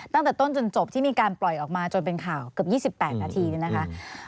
ตั้งแต่ต้นจนจบที่มีการปล่อยออกมาจนเป็นข่าวเกือบ๒๘นาทีเนี่ยนะคะ